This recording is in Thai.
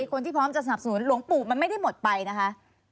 คนที่พร้อมจะสนับสนุนหลวงปู่มันไม่ได้หมดไปนะคะ